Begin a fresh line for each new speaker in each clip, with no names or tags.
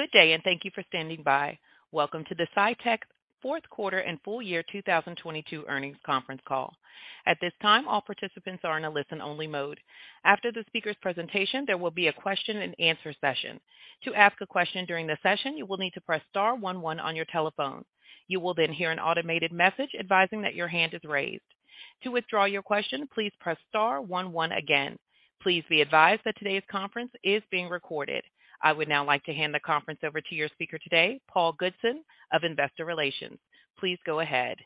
Good day. Thank you for standing by. Welcome to the Cytek fourth quarter and full-year 2022 earnings conference call. At this time, all participants are in a listen-only mode. After the speaker's presentation, there will be a question and answer session. To ask a question during the session, you will need to press star one one on your telephone. You will then hear an automated message advising that your hand is raised. To withdraw your question, please press star one one again. Please be advised that today's conference is being recorded. I would now like to hand the conference over to your speaker today, Paul Goodson of Investor Relations. Please go ahead.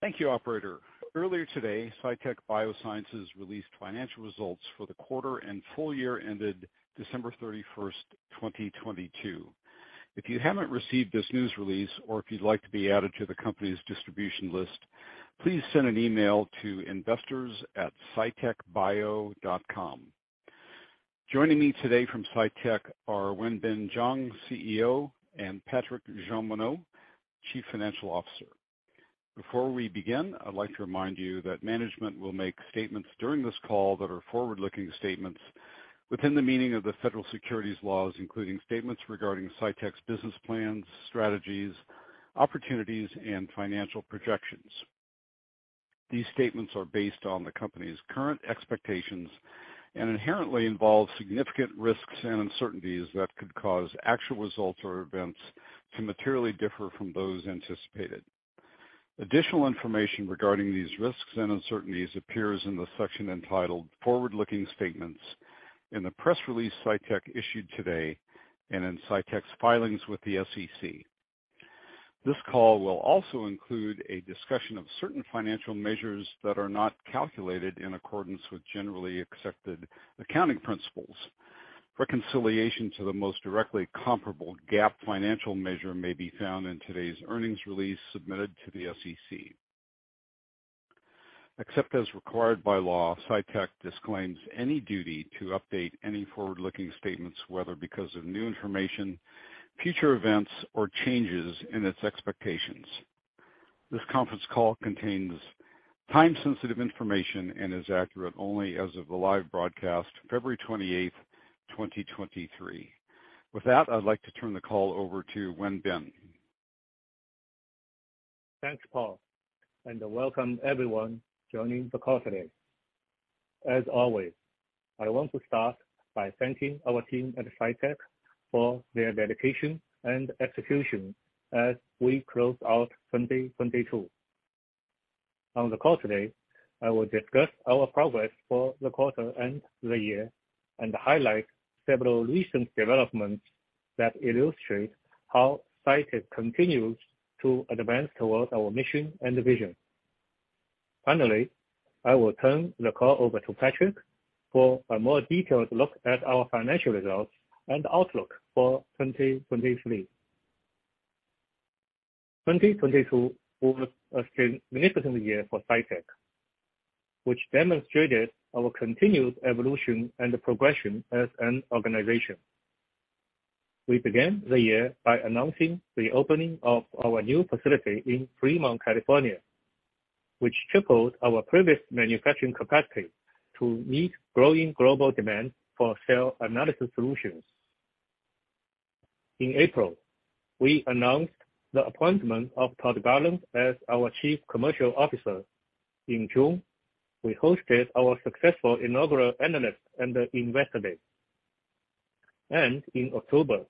Thank you, operator. Earlier today, Cytek Biosciences released financial results for the quarter and full-year ended December 31st, 2022. If you haven't received this news release or if you'd like to be added to the company's distribution list, please send an email to investors@cytekbio.com. Joining me today from Cytek are Wenbin Jiang, CEO, and Patrick Jeauneau, Chief Financial Officer. Before we begin, I'd like to remind you that management will make statements during this call that are forward-looking statements within the meaning of the federal securities laws, including statements regarding Cytek's business plans, strategies, opportunities, and financial projections. These statements are based on the company's current expectations and inherently involve significant risks and uncertainties that could cause actual results or events to materially differ from those anticipated. Additional information regarding these risks and uncertainties appears in the section entitled Forward-Looking Statements in the press release Cytek issued today and in Cytek's filings with the SEC. This call will also include a discussion of certain financial measures that are not calculated in accordance with generally accepted accounting principles. Reconciliation to the most directly comparable GAAP financial measure may be found in today's earnings release submitted to the SEC. Except as required by law, Cytek disclaims any duty to update any forward-looking statements, whether because of new information, future events, or changes in its expectations. This conference call contains time-sensitive information and is accurate only as of the live broadcast, February 28, 2023. With that, I'd like to turn the call over to Wenbin.
Thanks, Paul. Welcome everyone joining the call today. As always, I want to start by thanking our team at Cytek for their dedication and execution as we close out 2022. On the call today, I will discuss our progress for the quarter and the year and highlight several recent developments that illustrate how Cytek continues to advance towards our mission and vision. Finally, I will turn the call over to Patrick for a more detailed look at our financial results and outlook for 2023. 2022 was a significant year for Cytek, which demonstrated our continued evolution and progression as an organization. We began the year by announcing the opening of our new facility in Fremont, California, which tripled our previous manufacturing capacity to meet growing global demand for cell analysis solutions. In April, we announced the appointment of Todd Gallant as our Chief Commercial Officer. In June, we hosted our successful inaugural Analyst and Investor Day. In October,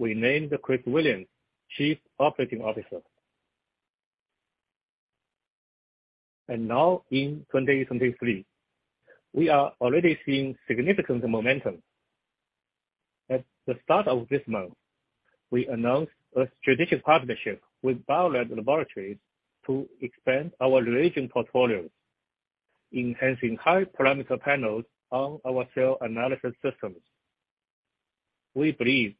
we named Chris Williams Chief Operating Officer. Now in 2023, we are already seeing significant momentum. At the start of this month, we announced a strategic partnership with Bio-Rad Laboratories to expand our reagent portfolios, enhancing high-parameter panels on our cell analysis systems. We believe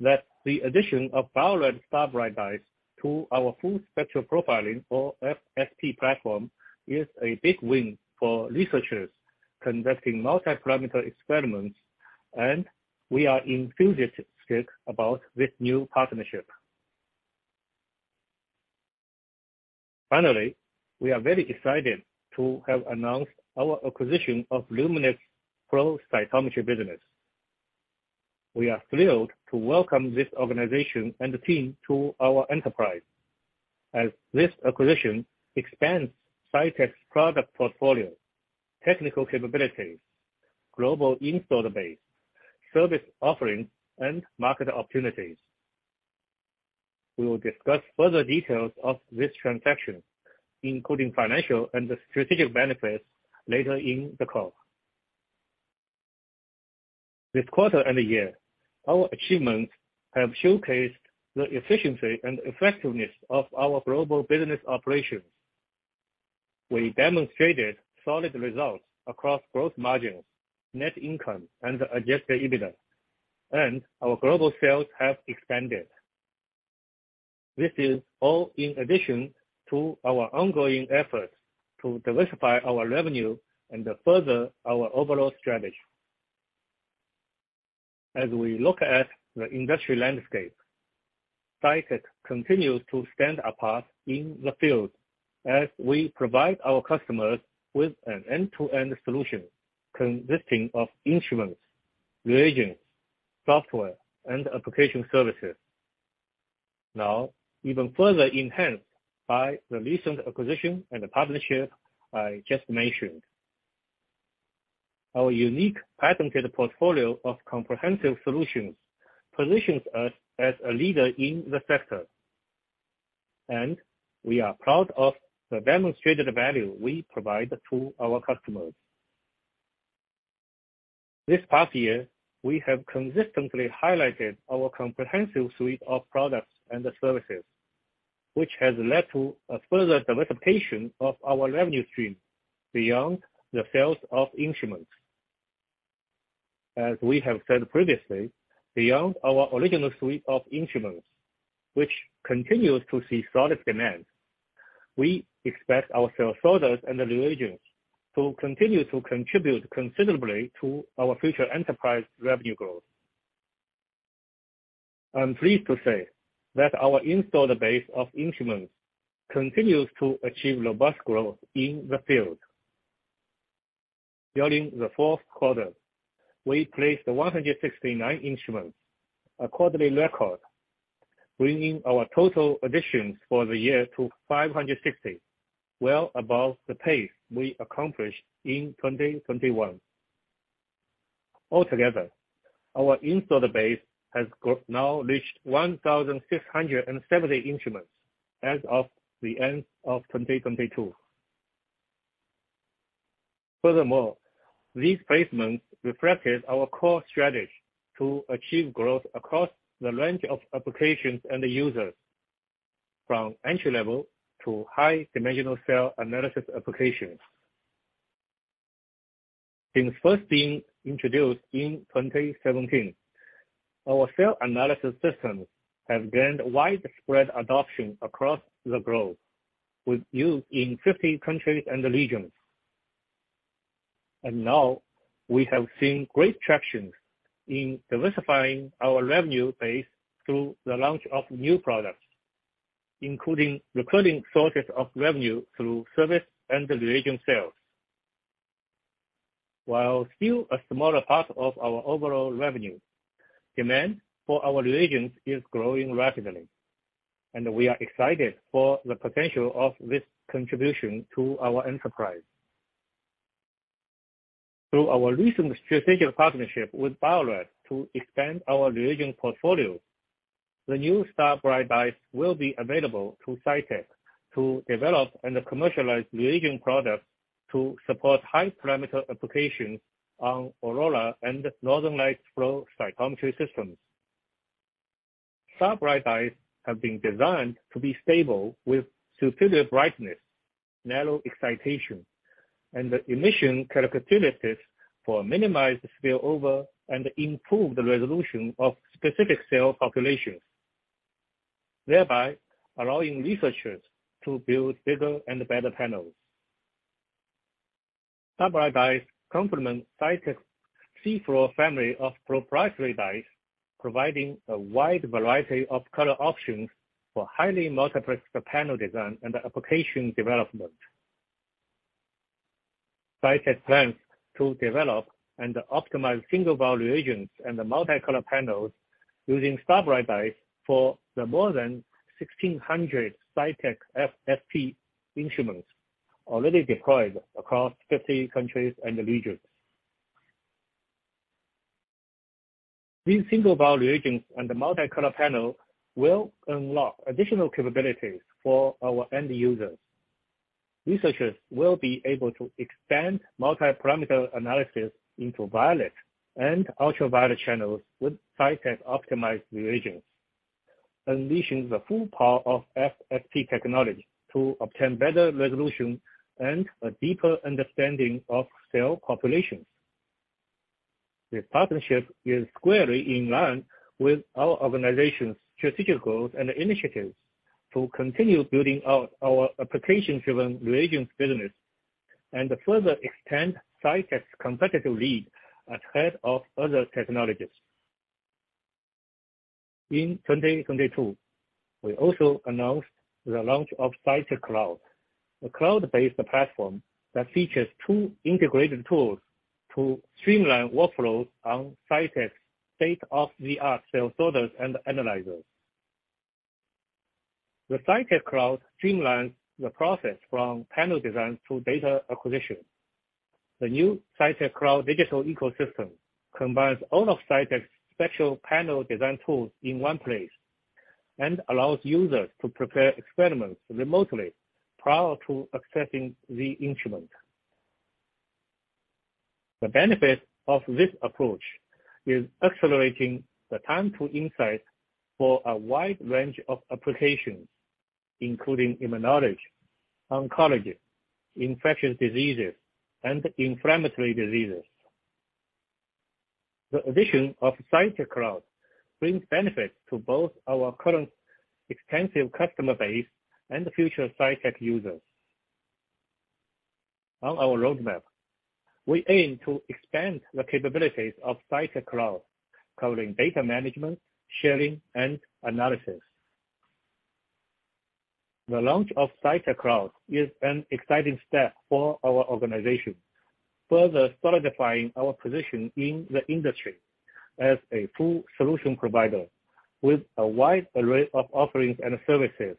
that the addition of Bio-Rad StarBright Dyes to our Full Spectral Profiling or FSP platform is a big win for researchers conducting multi-parameter experiments, and we are enthusiastic about this new partnership. We are very excited to have announced our acquisition of Luminex flow cytometry business. We are thrilled to welcome this organization and team to our enterprise as this acquisition expands Cytek's product portfolio, technical capabilities, global installed base, service offerings, and market opportunities. We will discuss further details of this transaction, including financial and strategic benefits, later in the call. This quarter and year, our achievements have showcased the efficiency and effectiveness of our global business operations. We demonstrated solid results across growth margins, net income, and Adjusted EBITDA, and our global sales have expanded. This is all in addition to our ongoing efforts to diversify our revenue and further our overall strategy. As we look at the industry landscape, Cytek continues to stand apart in the field as we provide our customers with an end-to-end solution consisting of instruments, reagents, software, and application services. Now, even further enhanced by the recent acquisition and the partnership I just mentioned. Our unique patented portfolio of comprehensive solutions positions us as a leader in the sector, and we are proud of the demonstrated value we provide to our customers. This past year, we have consistently highlighted our comprehensive suite of products and services, which has led to a further diversification of our revenue stream beyond the sales of instruments. As we have said previously, beyond our original suite of instruments, which continues to see solid demand, we expect our cell sorters and reagents to continue to contribute considerably to our future enterprise revenue growth. I'm pleased to say that our installed base of instruments continues to achieve robust growth in the field. During the fourth quarter, we placed 169 instruments, a quarterly record, bringing our total additions for the year to 560, well above the pace we accomplished in 2021. Altogether, our installed base has now reached 1,670 instruments as of the end of 2022. Furthermore, these placements reflected our core strategy to achieve growth across the range of applications and users from entry-level to high-dimensional cell analysis applications. Since first being introduced in 2017, our cell analysis systems have gained widespread adoption across the globe with use in 50 countries and regions. Now we have seen great traction in diversifying our revenue base through the launch of new products, including recurring sources of revenue through service and reagent sales. While still a smaller part of our overall revenue, demand for our reagents is growing rapidly, and we are excited for the potential of this contribution to our enterprise. Through our recent strategic partnership with Bio-Rad to expand our reagent portfolio, the new StarBright Dyes will be available to Cytek to develop and commercialize reagent products to support high-parameter applications on Aurora and Northern Lights flow cytometry systems. StarBright Dyes have been designed to be stable with superior brightness, narrow excitation, and emission characteristics for minimized spillover and improved resolution of specific cell populations, thereby allowing researchers to build bigger and better panels. StarBright Dyes complement Cytek's cFluor family of proprietary dyes, providing a wide variety of color options for highly multiplexed panel design and application development. Cytek plans to develop and optimize single vial reagents and multi-color panels using StarBright Dyes for the more than 1,600 Cytek FSP instruments already deployed across 50 countries and regions. These single vial reagents and the multi-color panel will unlock additional capabilities for our end users. Researchers will be able to expand multi-parameter analysis into violet and ultraviolet channels with Cytek's optimized reagents, unleashing the full power of FSP technology to obtain better resolution and a deeper understanding of cell populations. This partnership is squarely in line with our organization's strategic goals and initiatives to continue building out our application-driven reagents business and further extend Cytek's competitive lead ahead of other technologies. In 2022, we also announced the launch of Cytek Cloud, a cloud-based platform that features two integrated tools to streamline workflows on Cytek's state-of-the-art cell sorters and analyzers. The Cytek Cloud streamlines the process from panel design to data acquisition. The new Cytek Cloud digital ecosystem combines all of Cytek's special panel design tools in one place and allows users to prepare experiments remotely prior to accessing the instrument. The benefit of this approach is accelerating the time to insight for a wide range of applications, including immunology, oncology, infectious diseases, and inflammatory diseases. The addition of Cytek Cloud brings benefits to both our current extensive customer base and future Cytek users. On our roadmap, we aim to expand the capabilities of Cytek Cloud, covering data management, sharing, and analysis. The launch of Cytek Cloud is an exciting step for our organization, further solidifying our position in the industry as a full solution provider with a wide array of offerings and services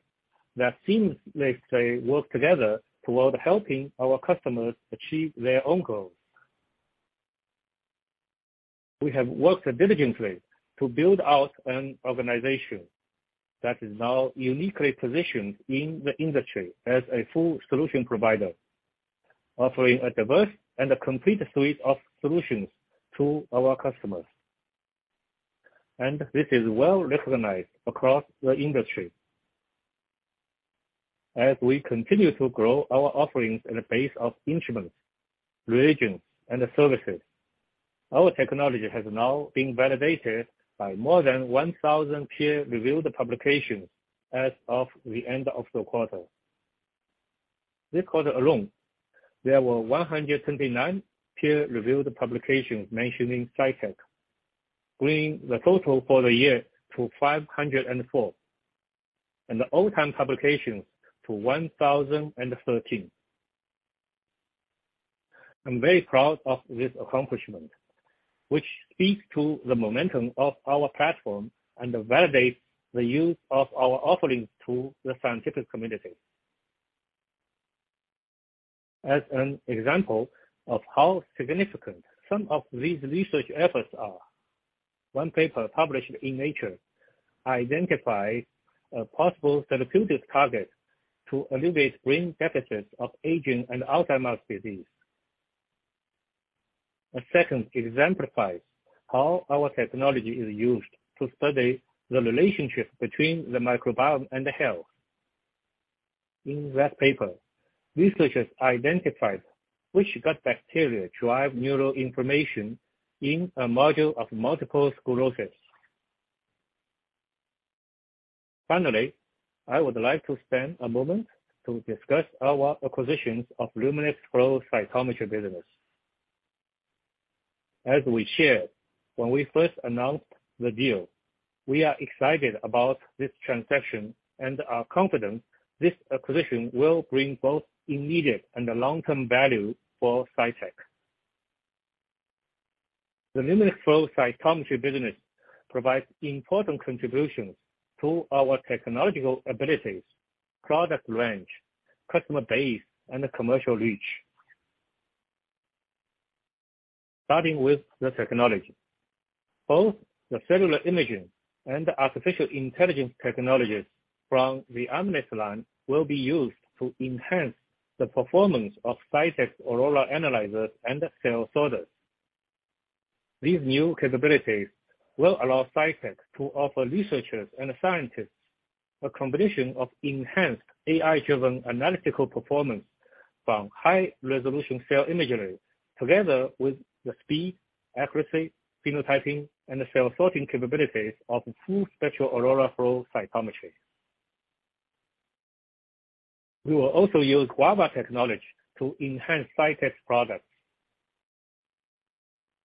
that seamlessly work together toward helping our customers achieve their own goals. We have worked diligently to build out an organization that is now uniquely positioned in the industry as a full solution provider, offering a diverse and a complete suite of solutions to our customers. This is well-recognized across the industry. As we continue to grow our offerings in the base of instruments, reagents, and services, our technology has now been validated by more than 1,000 peer-reviewed publications as of the end of the quarter. This quarter alone, there were 129 peer-reviewed publications mentioning Cytek, bringing the total for the year to 504, and the all-time publications to 1,013. I'm very proud of this accomplishment, which speaks to the momentum of our platform and validates the use of our offerings to the scientific community. As an example of how significant some of these research efforts are, one paper published in Nature identifies a possible therapeutic target to alleviate brain deficits of aging and Alzheimer's disease. A second exemplifies how our technology is used to study the relationship between the microbiome and health. I would like to spend a moment to discuss our acquisitions of Luminex flow cytometry business. We shared when we first announced the deal, we are excited about this transaction and are confident this acquisition will bring both immediate and long-term value for Cytek. The Luminex flow cytometry business provides important contributions to our technological abilities, product range, customer base, and commercial reach. Starting with the technology. Both the cellular imaging and artificial intelligence technologies from the Amnis line will be used to enhance the performance of Cytek's Aurora analyzer and cell sorters. These new capabilities will allow Cytek to offer researchers and scientists a combination of enhanced AI-driven analytical performance from high-resolution cell imagery, together with the speed, accuracy, phenotyping, and cell sorting capabilities of Full Spectrum Aurora flow cytometry. We will also use Guava technology to enhance Cytek's products.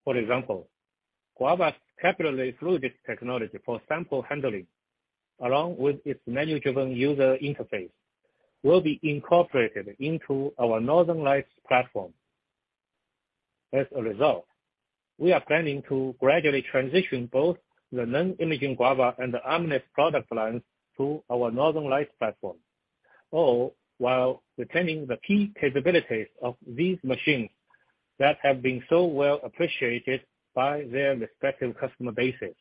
For example, Guava's capillary fluid technology for sample handling, along with its menu-driven user interface, will be incorporated into our Northern Lights platform. As a result, we are planning to gradually transition both the non-imaging Guava and the Amnis product lines to our Northern Lights platform, all while retaining the key capabilities of these machines that have been so well appreciated by their respective customer bases.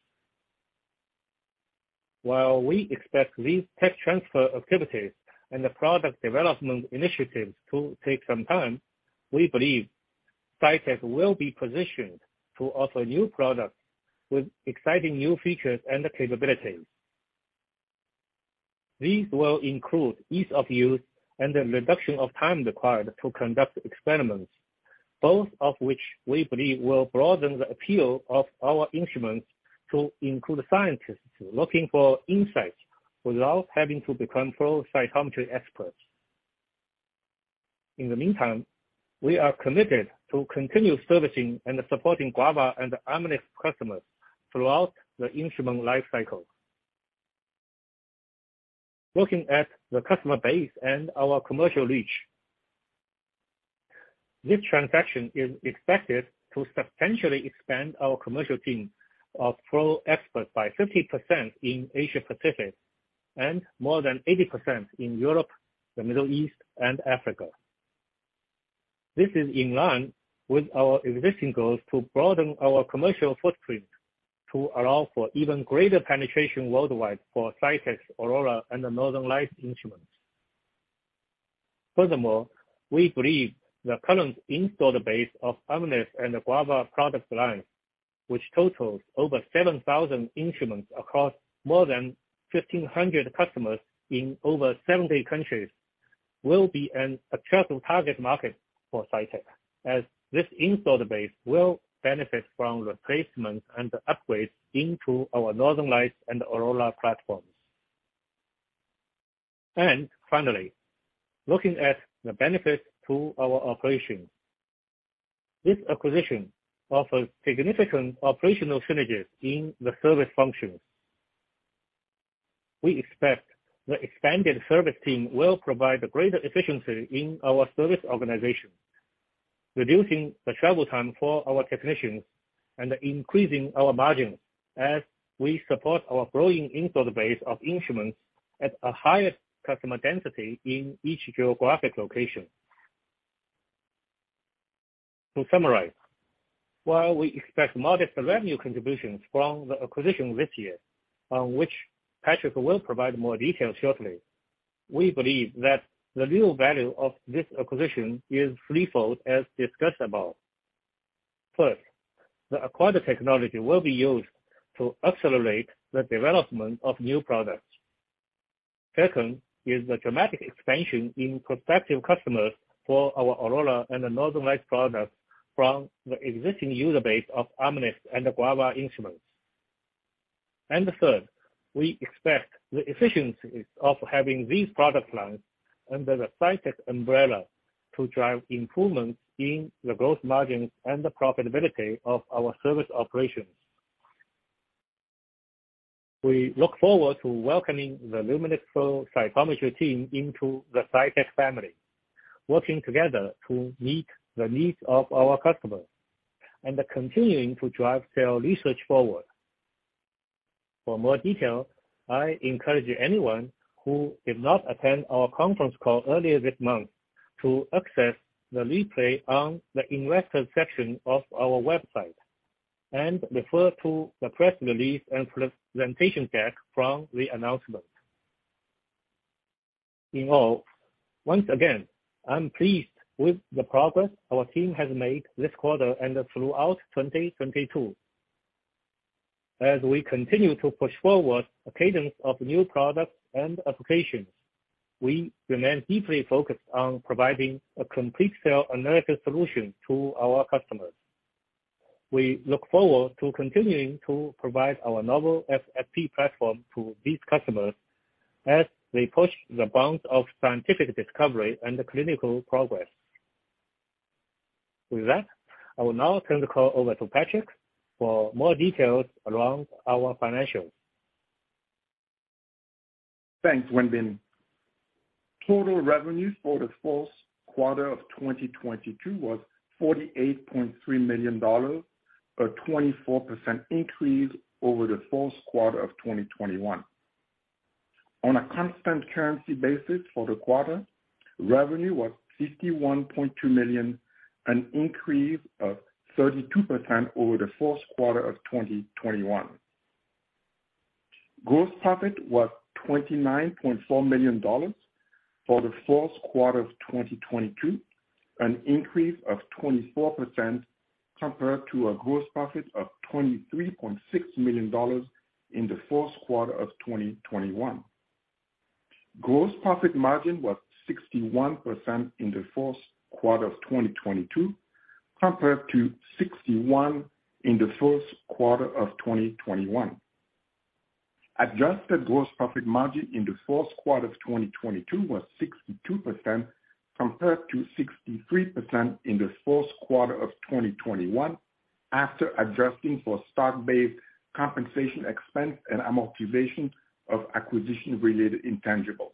While we expect these tech transfer activities and the product development initiatives to take some time, we believe Cytek will be positioned to offer new products with exciting new features and capabilities. These will include ease of use and the reduction of time required to conduct experiments, both of which we believe will broaden the appeal of our instruments to include scientists looking for insights without having to become flow cytometry experts. In the meantime, we are committed to continue servicing and supporting Guava and Amnis customers throughout the instrument life cycle. Looking at the customer base and our commercial reach, this transaction is expected to substantially expand our commercial team of flow experts by 50% in Asia-Pacific and more than 80% in Europe, the Middle East, and Africa. This is in line with our existing goals to broaden our commercial footprint to allow for even greater penetration worldwide for Cytek's Aurora and Northern Lights instruments. Furthermore, we believe the current installed base of Amnis and Guava product lines, which totals over 7,000 instruments across more than 1,500 customers in over 70 countries, will be an attractive target market for Cytek, as this installed base will benefit from replacements and upgrades into our Northern Lights and Aurora platforms. Finally, looking at the benefits to our operations. This acquisition offers significant operational synergies in the service functions. We expect the expanded service team will provide greater efficiency in our service organization, reducing the travel time for our technicians and increasing our margin as we support our growing installed base of instruments at a higher customer density in each geographic location. To summarize, while we expect modest revenue contributions from the acquisition this year, on which Patrick will provide more details shortly, we believe that the real value of this acquisition is threefold, as discussed above. First, the acquired technology will be used to accelerate the development of new products. Second is the dramatic expansion in prospective customers for our Aurora and Northern Lights products from the existing user base of Amnis and Guava instruments. Third, we expect the efficiencies of having these product lines under the Cytek umbrella to drive improvements in the growth margins and the profitability of our service operations. We look forward to welcoming the Luminex flow cytometry team into the Cytek family, working together to meet the needs of our customers, and continuing to drive cell research forward. For more detail, I encourage anyone who did not attend our conference call earlier this month to access the replay on the investor section of our website and refer to the press release and presentation deck from the announcement. In all, once again, I'm pleased with the progress our team has made this quarter and throughout 2022. As we continue to push forward a cadence of new products and applications, we remain deeply focused on providing a complete cell analytic solution to our customers. We look forward to continuing to provide our novel FSP platform to these customers as they push the bounds of scientific discovery and clinical progress. With that, I will now turn the call over to Patrick for more details around our financials.
Thanks, Wenbin. Total revenue for the fourth quarter of 2022 was $48.3 million, a 24% increase over the fourth quarter of 2021. On a constant currency basis for the quarter, revenue was $51.2 million, an increase of 32% over the fourth quarter of 2021. Gross profit was $29.4 million for the fourth quarter of 2022, an increase of 24% compared to a gross profit of $23.6 million in the fourth quarter of 2021. Gross profit margin was 61% in the fourth quarter of 2022, compared to 61% in the fourth quarter of 2021. Adjusted Gross Profit margin in the fourth quarter of 2022 was 62% compared to 63% in the fourth quarter of 2021 after adjusting for stock-based compensation expense and amortization of acquisition-related intangibles.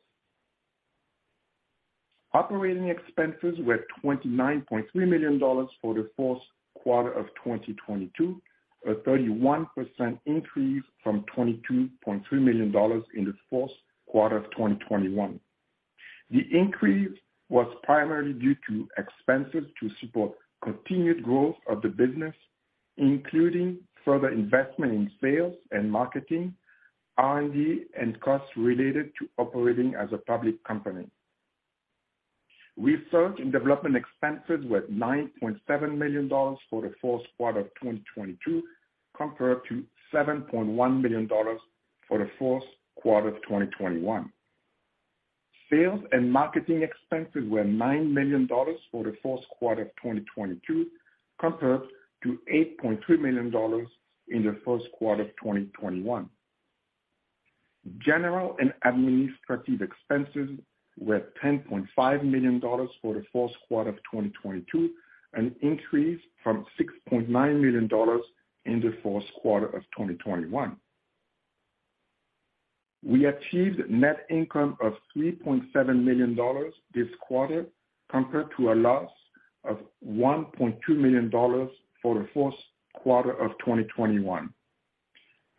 Operating expenses were $29.3 million for the fourth quarter of 2022, a 31% increase from $22.3 million in the fourth quarter of 2021. The increase was primarily due to expenses to support continued growth of the business, including further investment in sales and marketing, R&D, and costs related to operating as a public company. Research and development expenses were $9.7 million for the fourth quarter of 2022, compared to $7.1 million for the fourth quarter of 2021. Sales and marketing expenses were $9 million for the fourth quarter of 2022, compared to $8.3 million in the fourth quarter of 2021. General and administrative expenses were $10.5 million for the fourth quarter of 2022, an increase from $6.9 million in the fourth quarter of 2021. We achieved net income of $3.7 million this quarter, compared to a loss of $1.2 million for the fourth quarter of 2021.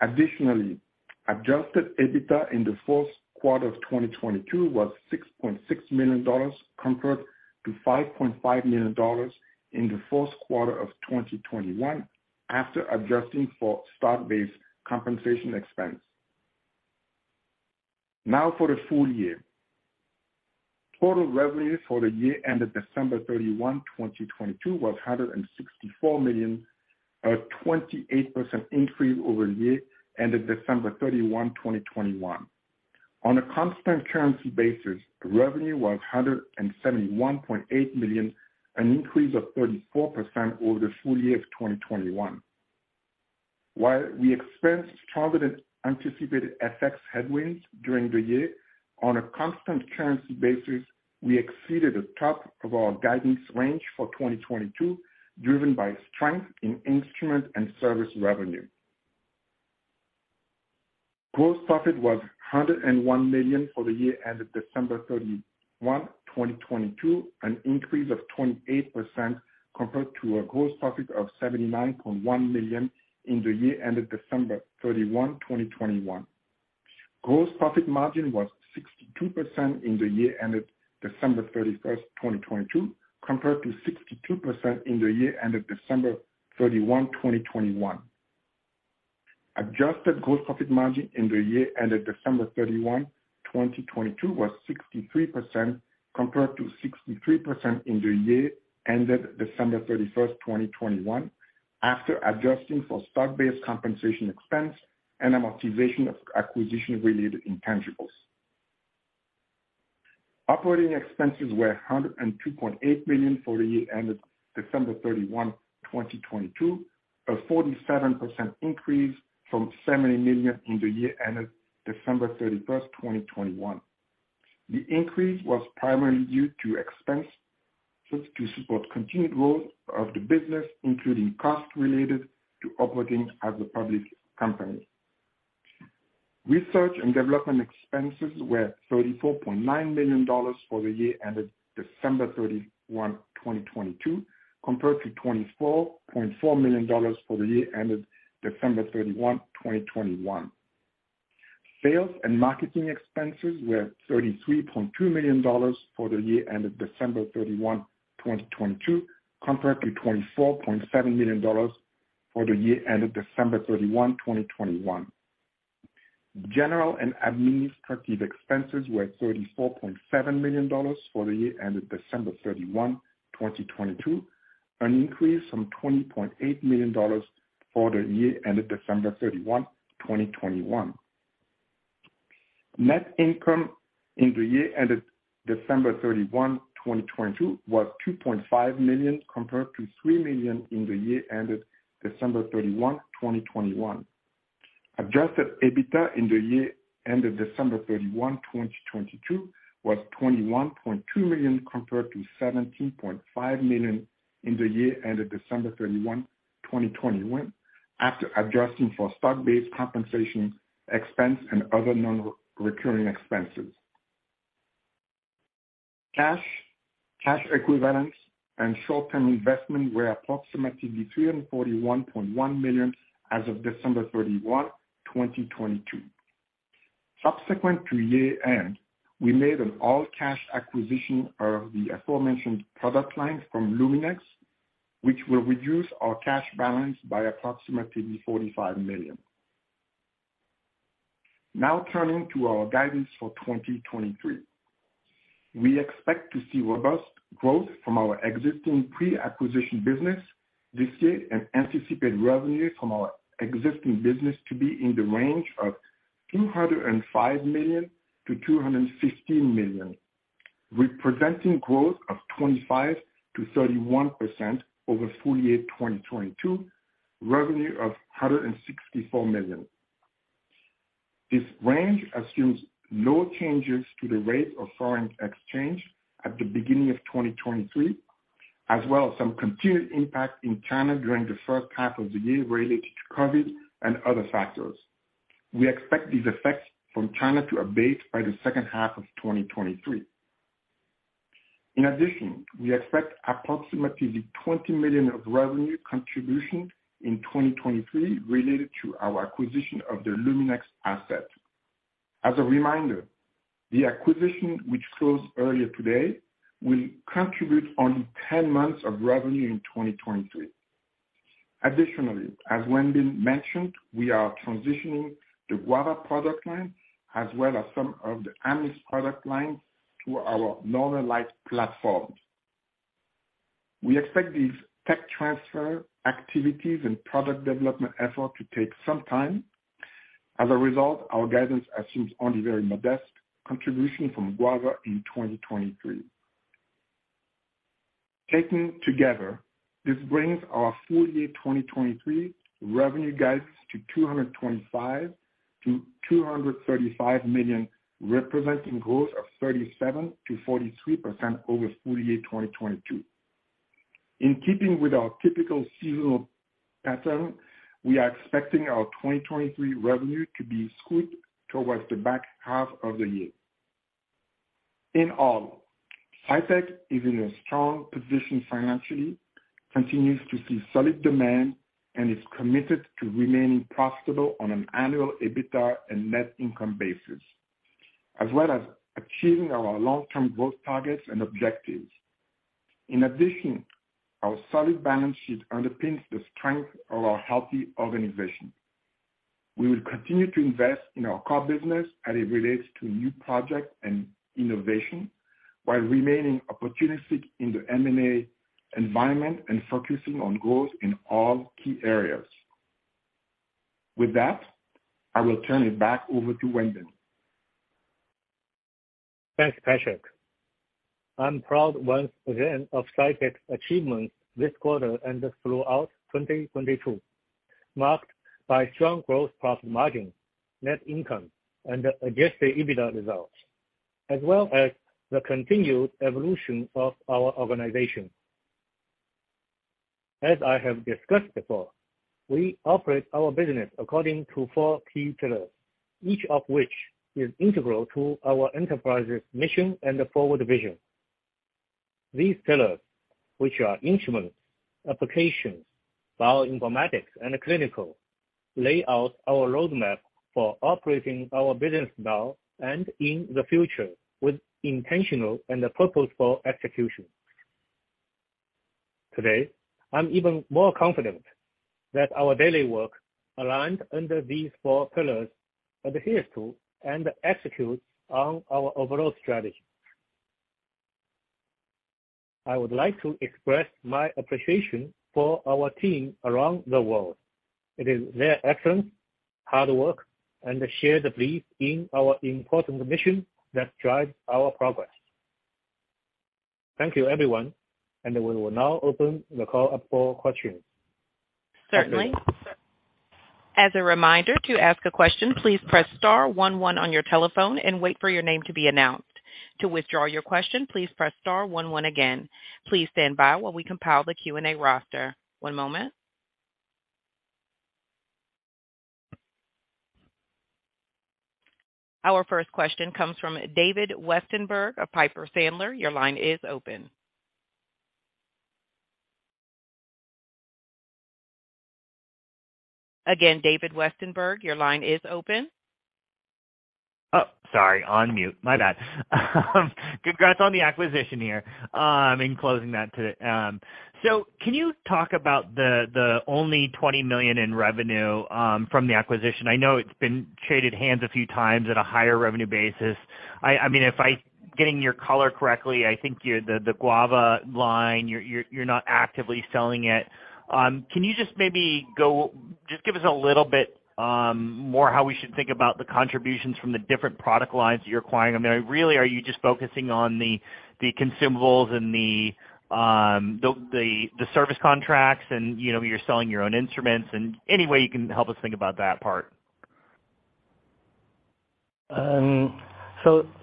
Additionally, Adjusted EBITDA in the fourth quarter of 2022 was $6.6 million, compared to $5.5 million in the fourth quarter of 2021, after adjusting for stock-based compensation expense. Now for the full-year. Total revenues for the year ended December 31, 2022 was $164 million, a 28% increase over the year ended December 31, 2021. On a constant currency basis, revenue was $171.8 million, an increase of 34% over the full-year of 2021. While we experienced stronger than anticipated FX headwinds during the year, on a constant currency basis, we exceeded the top of our guidance range for 2022, driven by strength in instrument and service revenue. Gross profit was $101 million for the year ended December 31, 2022, an increase of 28% compared to a gross profit of $79.1 million in the year ended December 31, 2021. Gross profit margin was 62% in the year ended December 31st, 2022, compared to 62% in the year ended December 31, 2021. Adjusted Gross Profit Margin in the year ended December 31, 2022 was 63% compared to 63% in the year ended December 31st, 2021, after adjusting for stock-based compensation expense and amortization of acquisition-related intangibles. Operating expenses were $102.8 million for the year ended December 31, 2022, a 47% increase from $70 million in the year ended December 31st, 2021. The increase was primarily due to expense to support continued growth of the business, including costs related to operating as a public company. Research and development expenses were $34.9 million for the year ended December 31, 2022, compared to $24.4 million for the year ended December 31, 2021. Sales and marketing expenses were $33.2 million for the year ended December 31, 2022, compared to $24.7 million for the year ended December 31, 2021. General and administrative expenses were $34.7 million for the year ended December 31, 2022, an increase from $20 million for the year ended December 31, 2021. Net income in the year ended December 31, 2022 was $2.5 million compared to $3 million in the year ended December 31, 2021. Adjusted EBITDA in the year ended December 31, 2022 was $21.2 million compared to $17.5 million in the year ended December 31, 2021, after adjusting for stock-based compensation expense and other non-recurring expenses. Cash, cash equivalents and short-term investments were approximately $341.1 million as of December 31, 2022. Subsequent to year-end, we made an all-cash acquisition of the aforementioned product line from Luminex, which will reduce our cash balance by approximately $45 million. Turning to our guidance for 2023. We expect to see robust growth from our existing pre-acquisition business this year and anticipate revenue from our existing business to be in the range of $205 million-$215 million, representing growth of 25%-31% over full-year 2022, revenue of $164 million. This range assumes no changes to the rate of foreign exchange at the beginning of 2023, as well as some continued impact in China during the first half of the year related to COVID and other factors. We expect these effects from China to abate by the second half of 2023. We expect approximately $20 million of revenue contribution in 2023 related to our acquisition of the Luminex asset. As a reminder, the acquisition which closed earlier today will contribute only 10 months of revenue in 2023. As Wenbin mentioned, we are transitioning the Guava product line as well as some of the Amnis product lines to our Northern Lights platform. We expect these tech transfer activities and product development effort to take some time. Our guidance assumes only very modest contribution from Guava in 2023. This brings our full-year 2023 revenue guidance to $225 million-$235 million, representing growth of 37%-43% over full-year 2022. In keeping with our typical seasonal pattern, we are expecting our 2023 revenue to be skewed towards the back half of the year. In all, Cytek is in a strong position financially, continues to see solid demand, and is committed to remaining profitable on an annual EBITDA and net income basis, as well as achieving our long-term growth targets and objectives. In addition, our solid balance sheet underpins the strength of our healthy organization. We will continue to invest in our core business as it relates to new projects and innovation while remaining opportunistic in the M&A environment and focusing on growth in all key areas. With that, I will turn it back over to Wenbin.
Thanks, Patrick. I'm proud once again of Cytek's achievements this quarter and throughout 2022, marked by strong gross profit margin, net income, and adjusted EBITDA results, as well as the continued evolution of our organization. As I have discussed before, we operate our business according to four key pillars, each of which is integral to our enterprise's mission and forward vision. These pillars, which are instruments, applications, bioinformatics, and clinical, lay out our roadmap for operating our business now and in the future with intentional and purposeful execution. Today, I'm even more confident that our daily work aligns under these four pillars, adheres to, and executes on our overall strategy. I would like to express my appreciation for our team around the world. It is their excellence, hard work, and shared belief in our important mission that drives our progress. Thank you, everyone, and we will now open the call up for questions.
Certainly. As a reminder, to ask a question, please press star one one on your telephone and wait for your name to be announced. To withdraw your question, please press star one one again. Please stand by while we compile the Q&A roster. One moment. Our first question comes from David Westenberg of Piper Sandler. Your line is open. Again, David Westenberg, your line is open.
Oh, sorry, on mute. My bad. Congrats on the acquisition here, in closing that too. Can you talk about the only $20 million in revenue from the acquisition? I know it's been traded hands a few times at a higher revenue basis. I mean, if I getting your color correctly, I think you're the Guava line, you're not actively selling it. Can you just give us a little bit more how we should think about the contributions from the different product lines you're acquiring? I mean, are you really just focusing on the consumables and the service contracts and, you know, you're selling your own instruments and any way you can help us think about that part?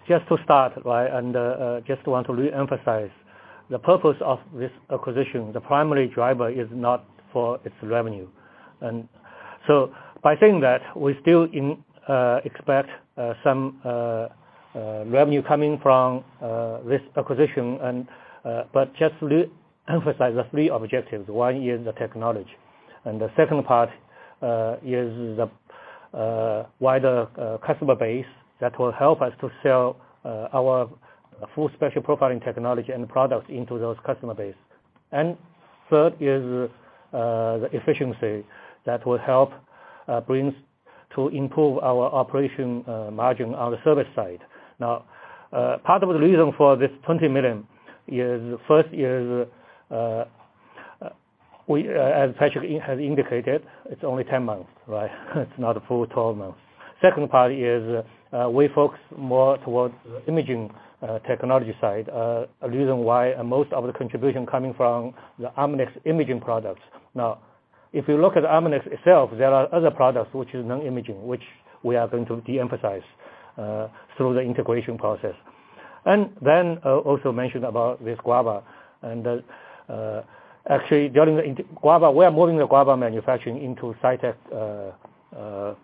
Just to start, right, just want to reemphasize the purpose of this acquisition, the primary driver is not for its revenue. By saying that, we still expect some revenue coming from this acquisition, just to emphasize the three objectives. One is the technology. The second part is the wider customer base that will help us to sell our Full Spectral Profiling technology and the products into those customer base. Third is the efficiency that will help brings to improve our operation margin on the service side. Part of the reason for this $20 million is first is, as Patrick has indicated, it's only 10 months, right? It's not a full 12 months. Second part is, we focus more towards the imaging, technology side, a reason why most of the contribution coming from the Amnis imaging products. If you look at Amnis itself, there are other products which is non-imaging, which we are going to de-emphasize through the integration process. Then, also mention about this Guava. Actually, during the Guava, we are moving the Guava manufacturing into Cytek's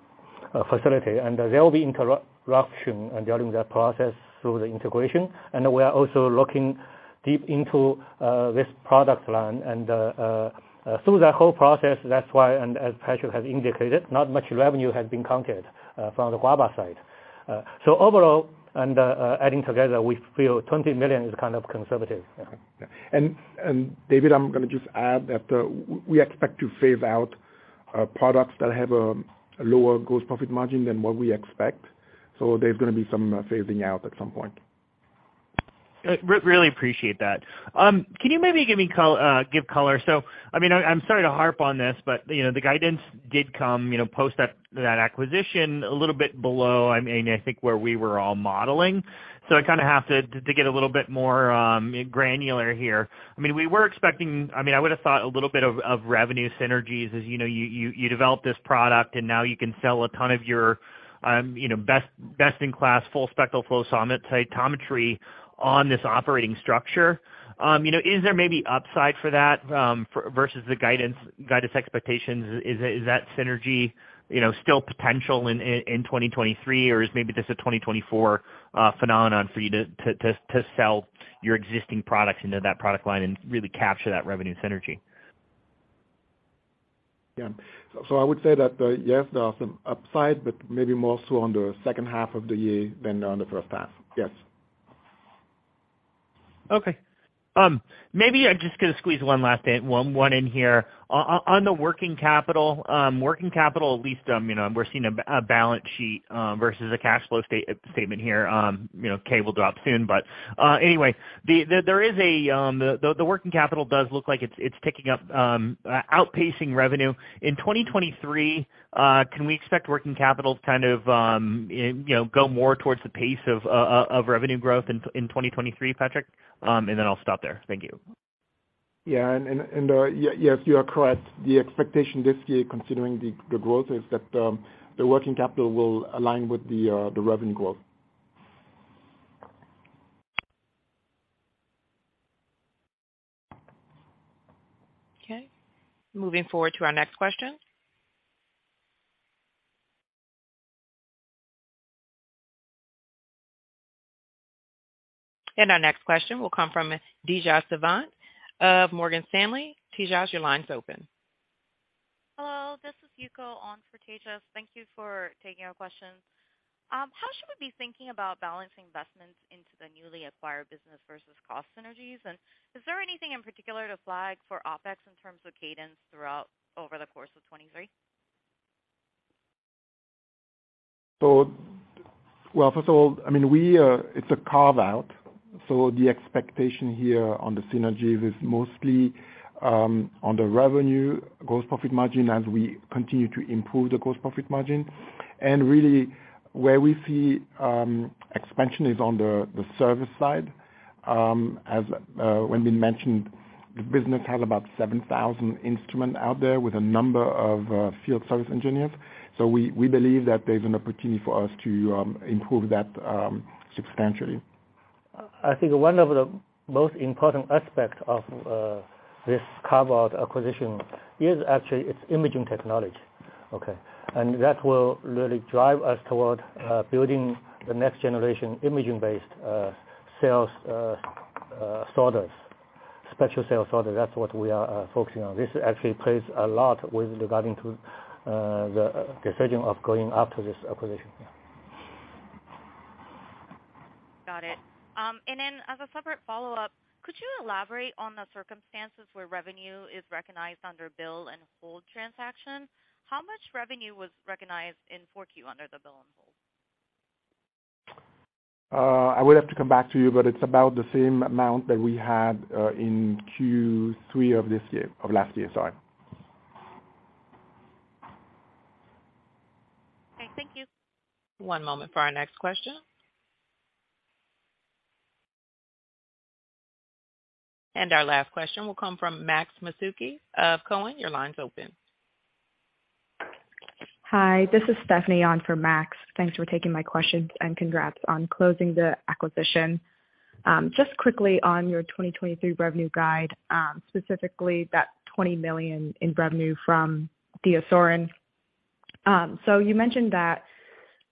facility, and there will be interruption during that process through the integration. We are also looking deep into this product line and through the whole process, that's why, and as Patrick has indicated, not much revenue has been counted from the Guava side. Overall and, adding together, we feel $20 million is kind of conservative.
David, I'm gonna just add that we expect to phase out products that have a lower gross profit margin than what we expect. There's gonna be some phasing out at some point.
Really appreciate that. Can you maybe give me color. I mean, I'm sorry to harp on this, but, you know, the guidance did come, you know, post that acquisition a little bit below, I mean, I think where we were all modeling. I kinda have to get a little bit more granular here. I mean, we were expecting. I mean, I would have thought a little bit of revenue synergies as, you know, you developed this product, and now you can sell a ton of your, you know, best-in-class Full Spectral flow cytometry on this operating structure. You know, is there maybe upside for that, for versus the guidance expectations? Is that synergy, you know, still potential in 2023, or is maybe this a 2024 phenomenon for you to sell your existing products into that product line and really capture that revenue synergy?
I would say that, yes, there are some upside, but maybe more so on the second half of the year than on the first half. Yes.
Okay. Maybe I'm just gonna squeeze one last one in here. On the working capital, working capital, at least, you know, we're seeing a balance sheet versus a cash flow statement here. You know, K will drop soon, but anyway, there is a, the working capital does look like it's ticking up, outpacing revenue. In 2023, can we expect working capital to kind of, you know, go more towards the pace of revenue growth in 2023, Patrick? And then I'll stop there. Thank you.
Yeah, yes, you are correct. The expectation this year, considering the growth, is that the working capital will align with the revenue growth.
Okay. Moving forward to our next question. Our next question will come from Tejas Savant of Morgan Stanley. Tejas, your line's open.
Hello, this is Yuko on for Tejas. Thank you for taking our questions. How should we be thinking about balancing investments into the newly acquired business versus cost synergies? Is there anything in particular to flag for OpEx in terms of cadence over the course of 2023?
Well, first of all, I mean, we, it's a carve-out, so the expectation here on the synergies is mostly on the revenue gross profit margin as we continue to improve the gross profit margin. Really, where we see expansion is on the service side. As Wenbin mentioned, the business has about 7,000 instrument out there with a number of field service engineers. We, we believe that there's an opportunity for us to improve that substantially.
I think one of the most important aspect of this carve-out acquisition is actually its imaging technology, okay? That will really drive us toward building the next generation imaging-based cells sorters, special cell sorter. That's what we are focusing on. This actually plays a lot with regarding to the decision of going after this acquisition.
Got it. Then as a separate follow-up, could you elaborate on the circumstances where revenue is recognized under bill and hold transaction? How much revenue was recognized in four Q under the bill and hold?
I would have to come back to you, but it's about the same amount that we had in Q3 of last year, sorry.
Okay, thank you.
One moment for our next question. Our last question will come from Max Masucci of Cowen. Your line's open.
Hi, this is Stephanie on for Max. Thanks for taking my questions. Congrats on closing the acquisition. Just quickly on your 2023 revenue guide, specifically that $20 million in revenue from DiaSorin. You mentioned that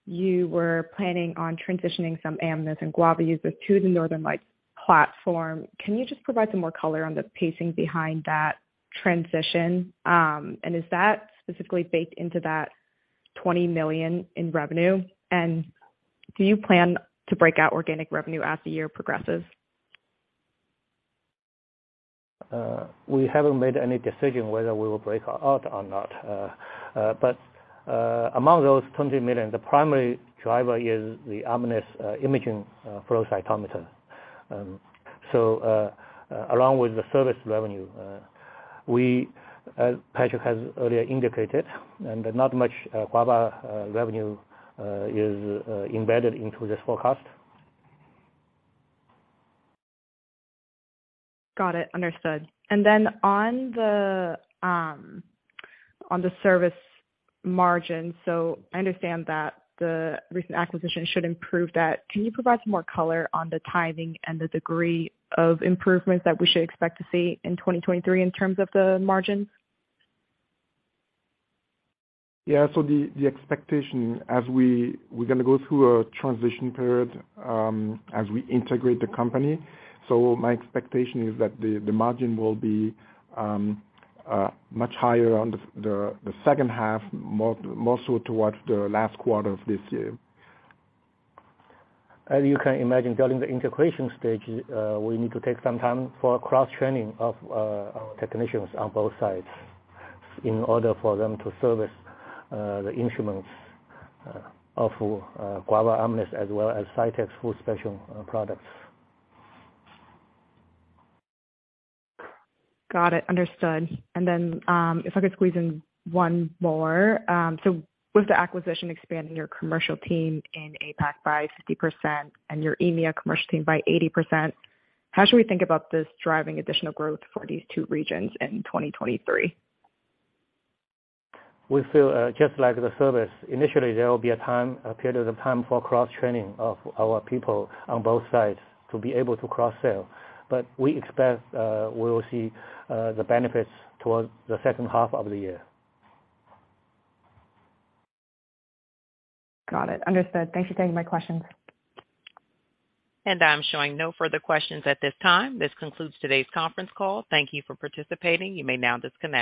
you were planning on transitioning some Amnis and Guava users to the Northern Lights platform. Can you just provide some more color on the pacing behind that transition? Is that specifically baked into that $20 million in revenue? Do you plan to break out organic revenue as the year progresses?
We haven't made any decision whether we will break out or not. Among those $20 million, the primary driver is the Amnis imaging flow cytometer. Along with the service revenue, as Patrick has earlier indicated, not much Guava revenue is embedded into this forecast.
Got it. Understood. On the service margin, so I understand that the recent acquisition should improve that. Can you provide some more color on the timing and the degree of improvements that we should expect to see in 2023 in terms of the margins?
Yeah. The expectation as we're gonna go through a transition period, as we integrate the company. My expectation is that the margin will be much higher on the second half, more so towards the last quarter of this year.
As you can imagine, during the integration stage, we need to take some time for cross-training of our technicians on both sides in order for them to service the instruments of Guava, Amnis as well as Cytek's Full Spectrum products.
Got it. Understood. If I could squeeze in one more. With the acquisition expanding your commercial team in APAC by 50% and your EMEA commercial team by 80%, how should we think about this driving additional growth for these two regions in 2023?
We feel just like the service. Initially, there will be a time, a period of time for cross-training of our people on both sides to be able to cross-sell. We expect we will see the benefits towards the second half of the year.
Got it. Understood. Thank you for taking my questions.
I'm showing no further questions at this time. This concludes today's conference call. Thank you for participating. You may now disconnect.